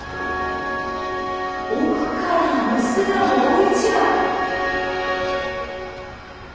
奥からオスがもう１羽！